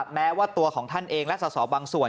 แม้ว่าตัวของท่านเองและสอสอบางส่วน